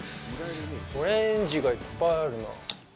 オレンジがいっぱいあるな。